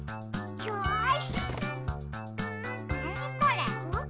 よし！